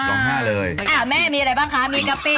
อ่ะเม่มีอะไรบ้างคะมีก๊อปติ